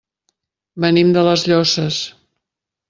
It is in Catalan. Venim de les Llosses.